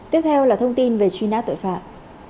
tiếp theo là thông tin về truy nã tội phạm